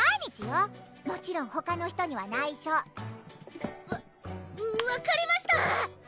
もちろんほかの人にはないしょわ分かりました！